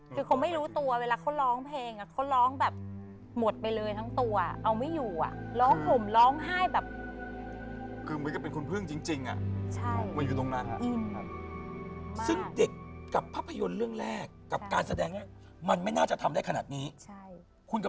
คือของไม่รู้ตัวเวลาเขาร้องเพลง